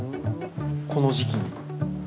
この時期に？